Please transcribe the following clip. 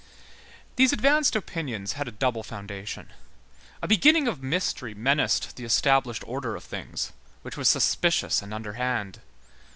These advanced opinions had a double foundation. A beginning of mystery menaced "the established order of things," which was suspicious and underhand.